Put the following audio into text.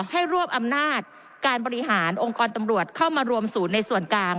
รวบอำนาจการบริหารองค์กรตำรวจเข้ามารวมศูนย์ในส่วนกลาง